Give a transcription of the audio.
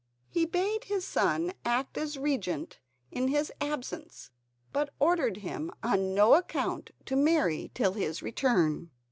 He bade his son act as Regent in his absence, but ordered him on no account to marry till his return.